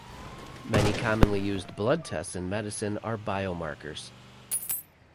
Many commonly used blood tests in medicine are biomarkers.